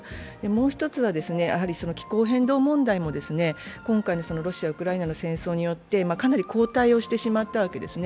もう一つは気候変動問題も今回のロシア・ウクライナの戦争によってかなり後退してしまったわけです。